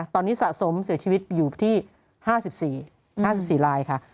ตอนนี้สะสมเสียชีวิตอยู่ที่๕๔รายค่ะ